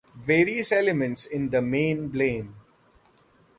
Various elements in the main Blame!